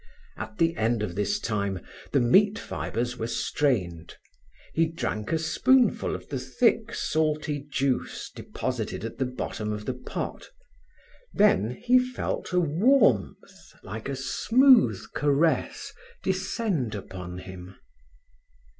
At the end of this time the meat fibres were strained. He drank a spoonful of the thick salty juice deposited at the bottom of the pot. Then he felt a warmth, like a smooth caress, descend upon him.